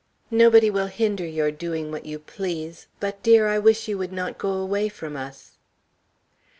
Nobody will hinder your doing what you please; but, dear, I wish you would not go away from us!"